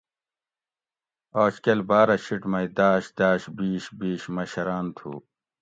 آجکل ہاۤرہ شیٹ مئی داش داش بیش بیش مشران تھو